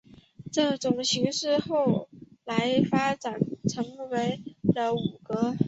这种形式后来发展成为了赋格。